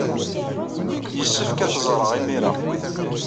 Yessefk ad t-ẓreɣ imir-a.